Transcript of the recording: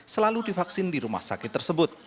selalu divaksin di rumah sakit tersebut